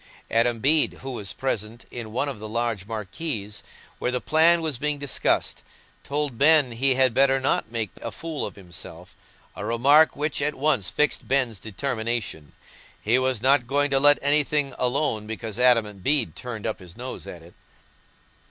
Adam Bede, who was present in one of the large marquees, where the plan was being discussed, told Ben he had better not make a fool of himself—a remark which at once fixed Ben's determination: he was not going to let anything alone because Adam Bede turned up his nose at it.